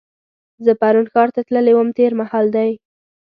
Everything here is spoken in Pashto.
زه پرون ښار ته تللې وم تېر مهال دی.